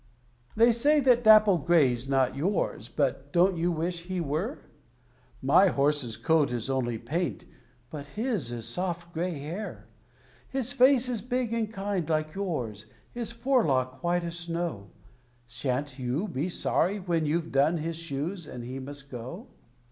They say that Dapple grey's not yours, but don't you wish he were? My horse's coat is only paint, but his is soft grey hair; His face is big and kind, like yours, his forelock white as snow Shan't you be sorry when you've done his shoes and he must go?